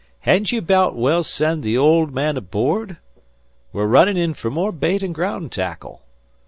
"Hedn't you 'baout's well send the old man aboard? We're runnin' in fer more bait an' graound tackle.